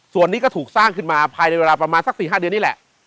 ส่วนนี้ก็ถูกสร้างขึ้นมาภายในเวลาประมาณสัก๔๕เดือนนี่แหละ